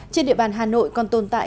trên địa bàn hà nội còn tồn tại